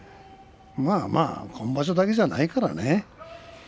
まあまあ、今場所だけじゃないからね